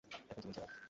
এখন, শুনুন সবাই!